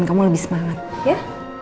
kamu lebih semangat ya